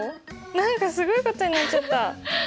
何かすごいことになっちゃった！